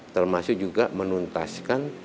termasuk juga menuntaskan